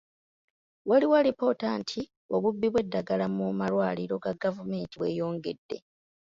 Waliwo alipoota nti obubbi bw'eddagala mu malwaliro ga gavumenti bweyongedde.